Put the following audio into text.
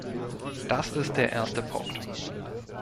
Das ist der erste Punkt.